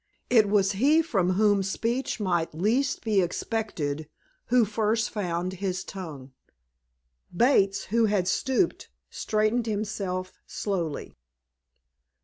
It was he from whom speech might least be expected who first found his tongue. Bates, who had stooped, straightened himself slowly.